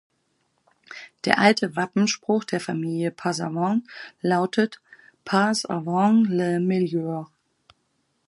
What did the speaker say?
Der alte Wappenspruch der Familie Passavant lautet "Passe avant le meilleur!